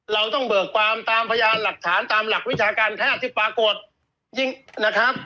เราต้องเบิกความตามพยานหลักฐานตามหลักวิชาการแพทย์ที่ปรากฏยิ่งนะครับ